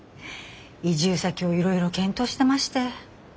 移住先をいろいろ検討してまして。